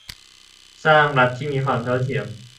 สร้างรัฐที่มีความเท่าเทียม